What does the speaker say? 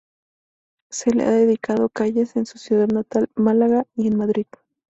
Se le han dedicado calles en su ciudad natal, Málaga, y en Madrid.